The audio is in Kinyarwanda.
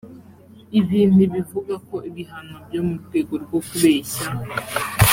ibi ntibivugako ibihano byo mu rwego rwo kubeshya